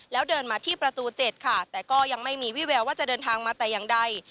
แล้วเดินมาที่ประตู๗ค่ะแต่ก็ยังไม่มีวิแววว่าจะเดินทางมาแต่อย่างใด